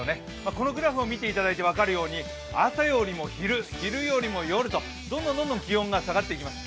このグラフを見ていただいて分かるように、朝よりも昼、昼よりも夜と、どんどん気温が下がっていきます。